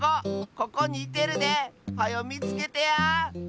ここにいてるで！はよみつけてや。